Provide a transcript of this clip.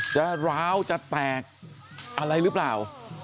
ร้าวจะแตกอะไรหรือเปล่า